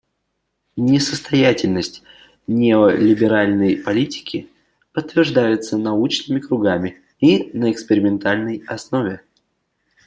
Несостоятельность неолиберальной политики подтверждается научными кругами и на экспериментальной основе.